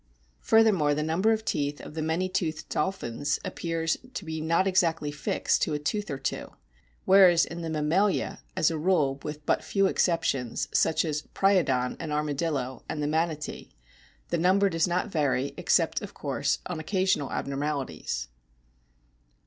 Further more, the numbers of teeth of the many toothed dolphins appear to be not exactly fixed to a tooth or two ; whereas in the mammalia, as a rule, with but few exceptions (such as Priodon, an Armadillo, and the Manatee), the number does not vary, except, of course, in occasional abnormalities.